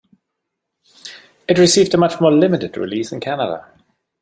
It received a much more limited release in Canada.